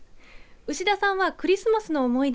牛田さんはクリスマスの思い出